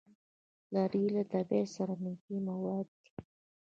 لرګی له طبیعت سره نږدې مواد دي.